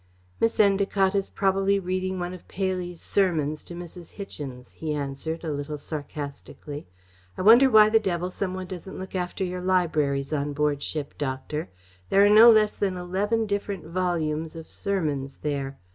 "Miss Endacott is probably reading one of Paley's sermons to Mrs. Hichens," he answered a little sarcastically. "I wonder why the devil some one doesn't look after your libraries on board ship, Doctor. There are no less than eleven different volumes of sermons there.